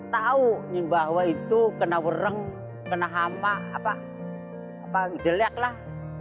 tahu bahwa itu kena wereng kena hama jelek lah